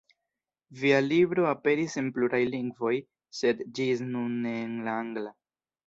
Via libro aperis en pluraj lingvoj, sed ĝis nun ne en la angla.